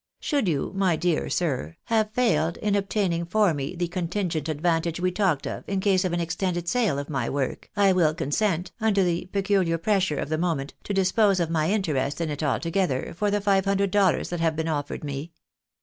Should you, my dear sir, have failed in obtaining for me the contingent advantage we talked of in case of an extended sale of my work, I will consent, under the peculiar pressure of the moment, to dispose of my interest in it altogether, for the five hundred dollars that have been offered me.